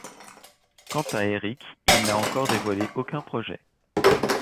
Quant à Erik il n'a encore dévoilé aucun projet.